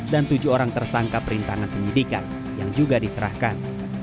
dan tujuh orang tersangka perintangan penyidikan yang juga diserahkan